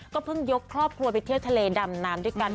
เพิ่งยกครอบครัวไปเที่ยวทะเลดำน้ำด้วยกัน